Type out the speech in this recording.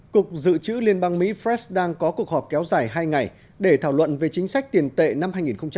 cục dự trữ liên bang mỹ fresh đang có cuộc họp kéo dài hai ngày để thảo luận về chính sách tiền tệ năm hai nghìn một mươi bảy